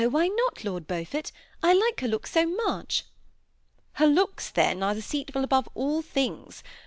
why not. Lord Beaufort ? I like her looks so much." "Her looks then are deceitful above all things.